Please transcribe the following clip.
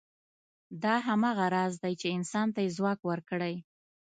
دا هماغه راز دی، چې انسان ته یې ځواک ورکړی.